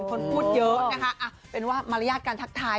คนพูดเยอะนะคะเป็นว่ามารยาทการทักทาย